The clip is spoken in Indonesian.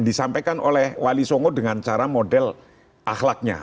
disampaikan oleh wali songo dengan cara model akhlaknya